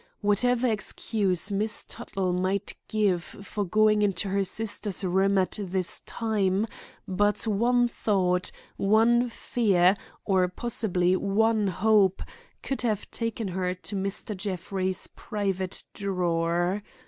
Whatever excuse Miss Tuttle might give for going into her sister's room at this time, but one thought, one fear, or possibly one hope, could have taken her to Mr. Jeffrey's private drawer.